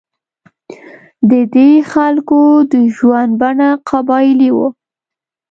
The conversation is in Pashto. د دې خلکو د ژوند بڼه قبایلي وه.